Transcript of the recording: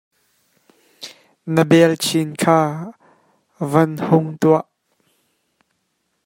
Na belchin kha van hung tuah.